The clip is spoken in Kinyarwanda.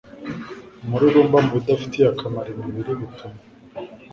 umururumba mu bidafitiye akamaro imibiri bituma